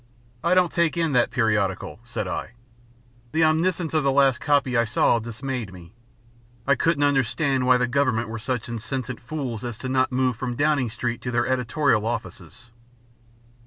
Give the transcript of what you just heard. "I don't take in that periodical," said I. "The omniscience of the last copy I saw dismayed me. I couldn't understand why the Government were such insensate fools as not to move from Downing Street to their Editorial offices."